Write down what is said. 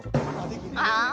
ああ。